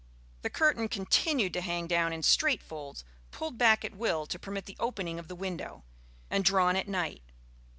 The curtain continued to hang down in straight folds, pulled back at will to permit the opening of the window, and drawn at night.